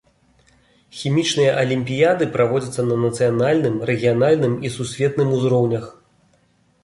Хімічныя алімпіяды праводзяцца на нацыянальным, рэгіянальным і сусветным узроўнях.